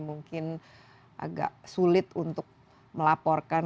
mungkin agak sulit untuk melaporkan